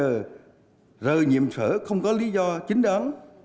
văn hóa công sở rời nhiệm sở không có lý do chính đáng